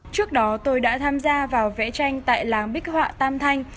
trước đó tôi đã tham gia vào vẽ tranh tại làng bích họa tam thanh